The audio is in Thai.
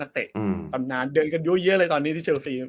นักเต่คำนาญเดินกันเยอะเลยคระตอนนี้ที่เชลซี